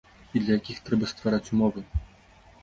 І для якіх трэба ствараць умовы.